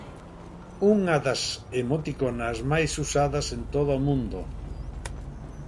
Unha das emoticonas máis usadas en todo o mundo.